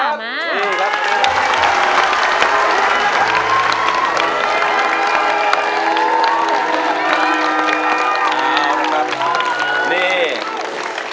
นี้นะครับนี้